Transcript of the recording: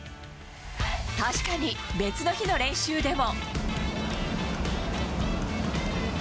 確かに別の日の練習でも。